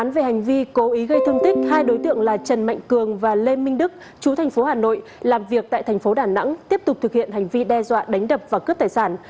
về hành vi cố ý gây thương tích hai đối tượng là trần mạnh cường và lê minh đức chú thành phố hà nội làm việc tại thành phố đà nẵng tiếp tục thực hiện hành vi đe dọa đánh đập và cướp tài sản